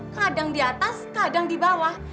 kadang di atas kadang di bawah